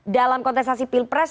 dalam kontestasi pilpres